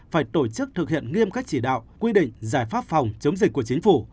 phải tổ chức thực hiện nghiêm các chỉ đạo quy định giải pháp phòng chống dịch của chính phủ